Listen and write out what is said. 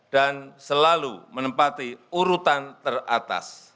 dan selalu menempati urutan teratas